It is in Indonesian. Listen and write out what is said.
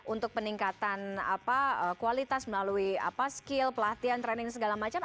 untuk peningkatan kualitas melalui skill pelatihan training segala macam